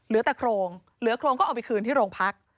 เหลือแต่โครงเหลือโครงก็เอาไปคืนที่โรงพัก